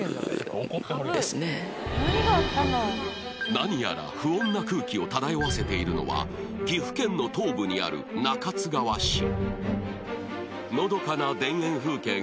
何やら不穏な空気を漂わせているのは岐阜県の東部にあるのどかな田園風景が広がる